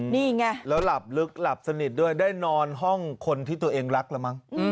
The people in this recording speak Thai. นี่ไงแล้วหลับลึกหลับสนิทด้วยได้นอนห้องคนที่ตัวเองรักแล้วมั้ง